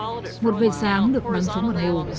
sau đó một vệ sáng được bắn xuống một hồ